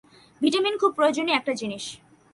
Vitamin খুব প্রয়োজনীয় একটা জিনিস।